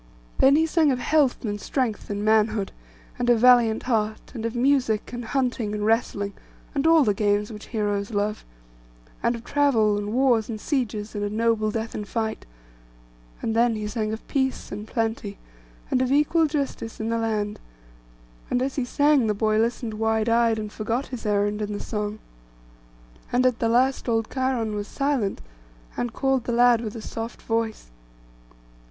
Then he sang of health, and strength, and manhood, and a valiant heart; and of music, and hunting, and wrestling, and all the games which heroes love: and of travel, and wars, and sieges, and a noble death in fight; and then he sang of peace and plenty, and of equal justice in the land; and as he sang the boy listened wide eyed, and forgot his errand in the song. And at the last old Cheiron was silent, and called the lad with a soft voice.